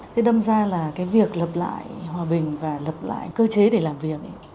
thế đâm ra là cái việc lập lại hòa bình và lập lại cơ chế để làm việc